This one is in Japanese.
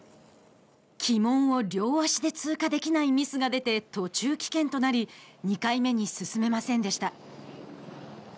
旗門を両足で通過できないミスが出て途中棄権となり２回目に進めませんでした。